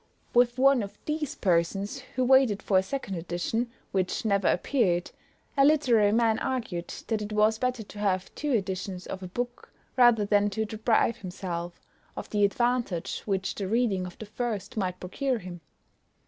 With one of these persons, who waited for a second edition, which never appeared, a literary man argued, that it was better to have two editions of a book rather than to deprive himself of the advantage which the reading of the first might procure him.